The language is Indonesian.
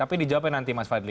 tapi dijawabkan nanti mas fadli